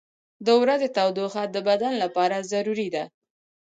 • د ورځې تودوخه د بدن لپاره ضروري ده.